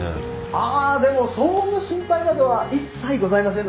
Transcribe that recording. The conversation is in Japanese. ああでも騒音の心配などは一切ございませんので。